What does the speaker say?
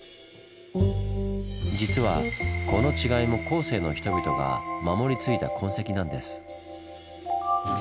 実はこの違いも後世の人々が守り継いだ痕跡なんです。